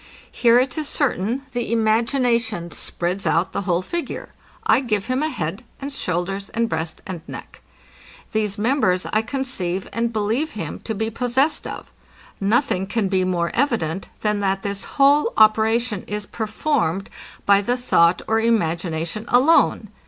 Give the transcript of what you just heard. Here it is certain, the imagination spreads out the whole figure. I give him a head and shoulders, and breast and neck. These members I conceive and believe him to be possessed of. Nothing can be more evident, than that this whole operation is performed by the thought or imagination alone.